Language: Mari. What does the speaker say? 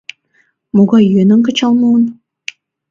Могай йӧным кычал муын?